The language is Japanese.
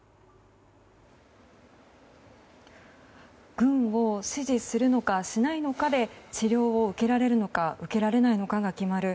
軍を支持するのかしないのかで治療を受けられるのか受けられないのかが決まる。